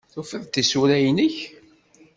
Tufiḍ-d tisura-nnek?